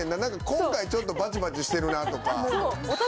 今回ちょっとバチバチしてるなとか。